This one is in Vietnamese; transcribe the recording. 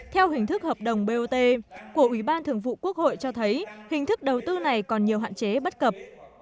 theo hình thức hợp đồng bot của ủy ban thường vụ quốc hội cho thấy hình thức đầu tư này còn nhiều hạn chế bất cập